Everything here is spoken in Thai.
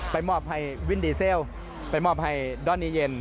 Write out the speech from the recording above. มอบให้วินดีเซลไปมอบให้ด้อนนี้เย็น